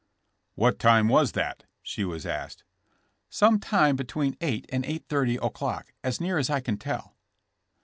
*'What time was that?" she was asked. ''Some time between 8 and 8:30 o'clock, as near as I can tell."